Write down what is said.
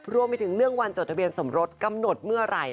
รวมไปถึงเรื่องวันจดทะเบียนสมรสกำหนดเมื่อไหร่